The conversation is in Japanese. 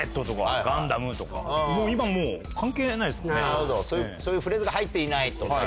なるほどそういうフレーズが入っていない。